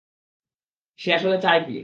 সে আসলে চায় কি?